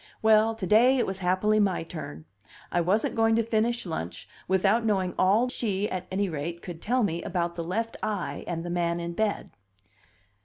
Well, to day it was happily my turn; I wasn't going to finish lunch without knowing all she, at any rate, could tell me about the left eye and the man in bed.